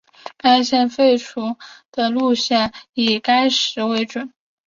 该线废除前废除的路线则以该时为准。